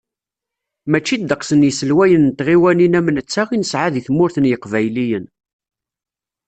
Mačči ddeqs n yiselwayen n tɣiwanin am netta i nesɛa deg Tmurt n Yiqbayliyen.